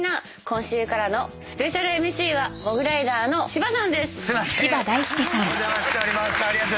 今週からのスペシャルＭＣはモグライダーの芝さんです！